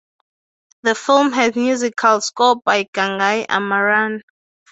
The film has musical score by Gangai Amaran.